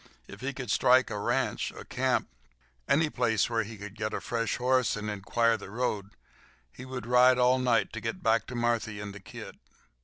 If he could strike a ranch—a camp—any place where he could get a fresh horse and inquire the road, he would ride all night to get back to Marthy and the kid.